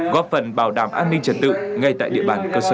góp phần bảo đảm an ninh trật tự ngay tại địa bàn cơ sở